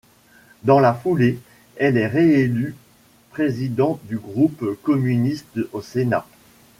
Dans la foulée, elle est réélue présidente du groupe communiste au Sénat.